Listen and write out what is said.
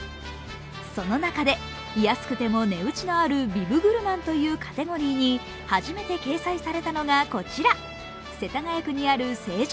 その中で、安くても値打ちのあるビブグルマンというカテゴリーに初めて掲載されたのがこちら、世田谷区にある成城